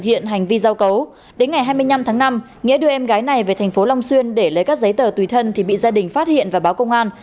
đến ngày hai mươi năm tháng năm nghĩa đưa em gái này về thành phố long xuyên để lấy các giấy tờ tùy thân thì bị gia đình phát hiện và báo công an